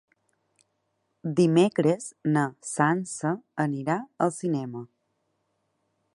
Dimecres na Sança anirà al cinema.